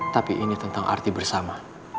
tapi ini tentang arti bersama